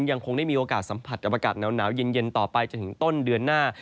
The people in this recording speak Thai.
ยังคงได้มีโอกาสสัมผัสกับอากาศหนาวเย็นต่อไปจนถึงต้นเดือนหน้า